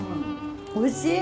おいしい！